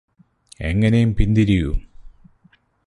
എങ്ങനെയും പിന്തിരിയൂ